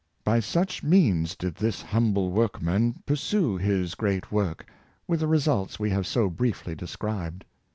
By such means did this humble workman pursue his great work, with the results we have so briefly described.